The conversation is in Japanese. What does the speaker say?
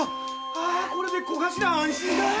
あこれで小頭は安心だい！